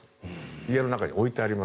家の中に置いてあります。